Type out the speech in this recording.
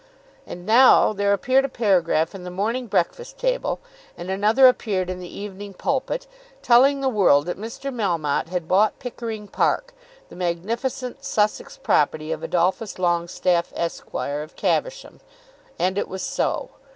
And now there appeared a paragraph in the "Morning Breakfast Table," and another appeared in the "Evening Pulpit," telling the world that Mr. Melmotte had bought Pickering Park, the magnificent Sussex property of Adolphus Longestaffe, Esq., of Caversham. And it was so.